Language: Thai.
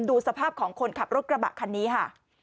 ดูสภาพของคนขับรถกระบะคันนี้ค่ะ